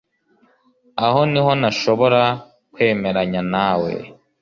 Aho niho ntashobora kwemeranya nawe